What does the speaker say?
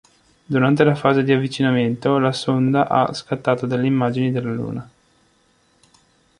Durante la fase di avvicinamento, la sonda ha scattato delle immagini della Luna.